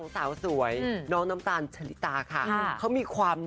สาวสวยน้องน้ำตาลชริตาค่ะ